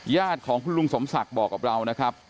ญาติของคุณลุงสมศักดิ์บอกกับเรานะครับ